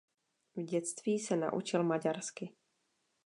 V dětství se naučil maďarsky.